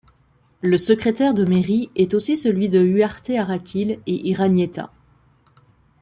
Le secrétaire de mairie est aussi celui de Uharte-Arakil et Irañeta.